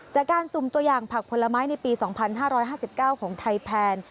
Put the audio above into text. จากการสูมตัวอย่างผักผลไม้ในปี๒๕๕๙ของไทแพน